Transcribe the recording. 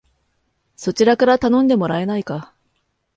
そちらから頼んでもらえないか